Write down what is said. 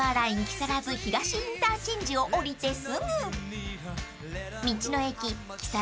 木更津東インターチェンジを降りてすぐ］